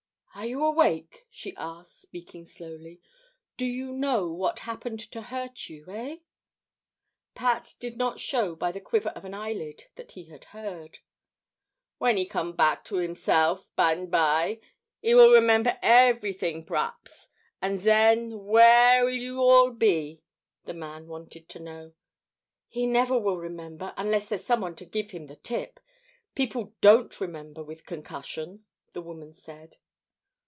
"Are you awake?" she asked, speaking slowly. "Do you know what happened to hurt you eh?" Pat did not show by the quiver of an eyelid that he had heard. "Wen 'e come back to himself, bineby, 'e will remember everything per'aps, an' zen w'ere will you all be?" the man wanted to know. "He never will remember, unless there's someone to give him the tip. People don't remember with concussion," the woman said.